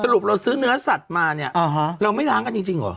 รุปเราซื้อเนื้อสัตว์มาเนี่ยเราไม่ล้างกันจริงเหรอ